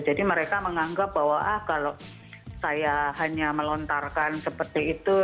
jadi mereka menganggap bahwa ah kalau saya hanya melontarkan seperti itu